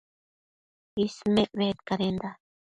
Ismec bedcadenda